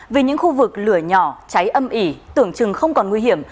vì những khu vực lửa nhỏ cháy âm ỉ tưởng chừng không còn nguy hiểm